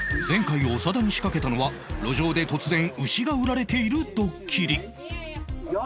前回長田に仕掛けたのは路上で突然牛が売られているドッキリ